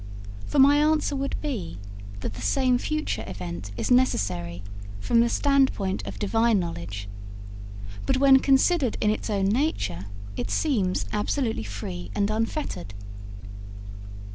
For my answer would be that the same future event is necessary from the standpoint of Divine knowledge, but when considered in its own nature it seems absolutely free and unfettered.